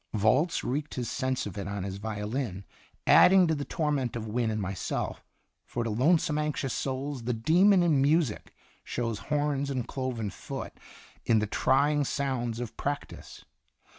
Volz wreaked his sense of it on his violin, adding to the torment of W r ynne and myself, for to lonesome anxious souls "the demon in music" shows horns and cloven foot in the trying sounds of practice.